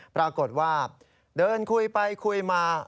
ปรากฏว่าเดินคุยไปคุยมา